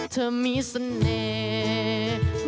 เธอมีเสน่ห์